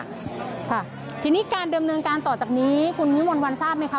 ค่ะทีนี้การเดิมเนินการต่อจากนี้คุณวิมวลวันทราบไหมคะ